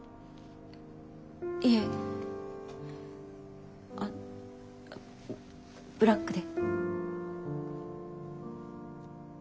いえブラックで。